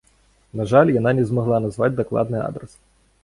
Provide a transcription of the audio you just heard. На жаль, яна не змагла назваць дакладны адрас.